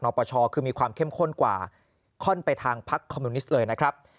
ปชคือมีความเข้มข้นกว่าค่อนไปทางพักคอมมิวนิสต์เลยนะครับ